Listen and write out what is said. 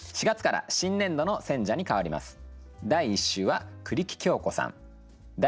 ４月から新年度の選者に替わります。